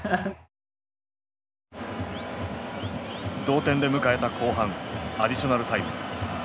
同点で迎えた後半アディショナルタイム。